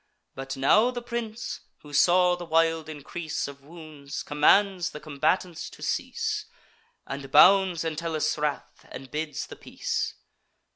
But now the prince, who saw the wild increase Of wounds, commands the combatants to cease, And bounds Entellus' wrath, and bids the peace.